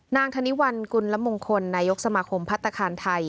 ธนิวัลกุลมงคลนายกสมาคมพัฒนาคารไทย